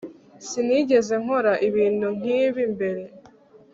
Sinigeze nkora ibintu nkibi mbere